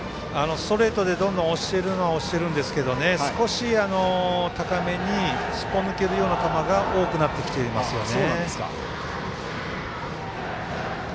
ストレートでどんどん押してるのは押してるんですけど少し高めにすっぽ抜けるような球が多くなってきていますよね。